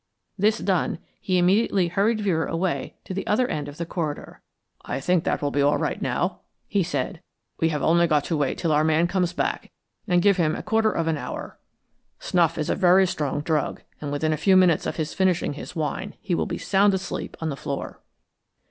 This done, he immediately hurried Vera away to the other end of the corridor. "I think that will be all right now," he said. "We have only got to wait till our man comes back and give him a quarter of an hour. Snuff is a very strong drug, and within a few minutes of his finishing his wine he will be sound asleep on the floor."